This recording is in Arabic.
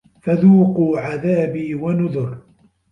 فَذوقوا عَذابي وَنُذُرِ